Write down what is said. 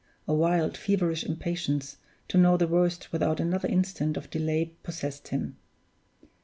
A wild, feverish impatience to know the worst without another instant of delay possessed him.